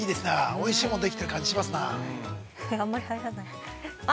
おいしいもんできてる感じしますなあ。